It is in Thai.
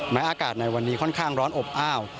อากาศในวันนี้ค่อนข้างร้อนอบอ้าว